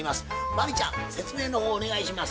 真理ちゃん説明の方お願いします。